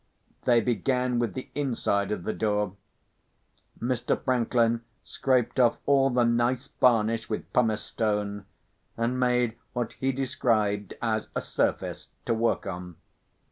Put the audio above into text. They began with the inside of the door. Mr. Franklin scraped off all the nice varnish with pumice stone, and made what he described as a surface to work on.